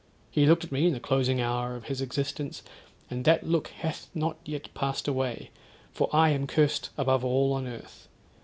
He looked at me in the closing hour of his existence, and that look hath not yet passed away, for I am curst above all on earth.